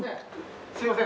すみません。